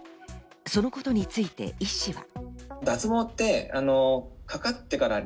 そのことについて医師は。